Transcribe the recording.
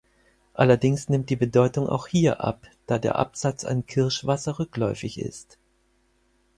Allerdings nimmt die Bedeutung auch hier ab, da der Absatz an Kirschwasser rückläufig ist.